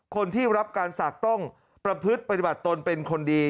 คนที่รับการศักดิ์ต้องประพฤติปฏิบัติตนเป็นคนดี